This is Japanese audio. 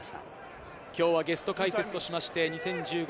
今日はゲスト解説としまして２０１５、